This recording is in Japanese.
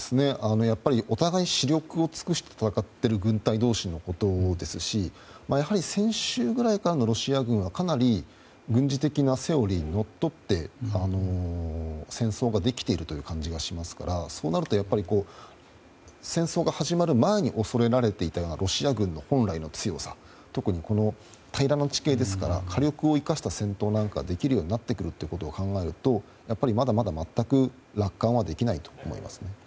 お互い、死力を尽くして戦っている軍隊同士のことですしやはり先週ぐらいからのロシア軍は、かなり軍事的なセオリーにのっとって、戦争ができている感じがしますからそうなると、戦争が始まる前に恐れられていたようなロシア軍の本来の強さ特に、平らな地形ですから火力を生かした戦闘ができるようになってくると考えるとまだまだ全く楽観はできないと思います。